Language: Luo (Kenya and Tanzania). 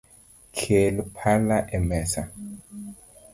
Kel pala emesa